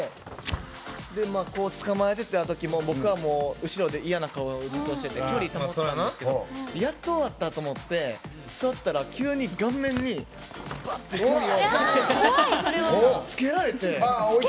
捕まえてたときも僕は後ろで嫌な顔をずっとしてて距離を保ってたんですけどやっと終わったと思って座ったら急に顔面につけられて。